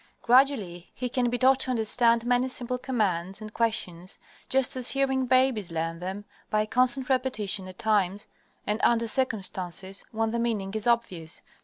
Gradually he can be taught to understand many simple commands and questions just as hearing babies learn them, by constant repetition at times and under circumstances when the meaning is obvious.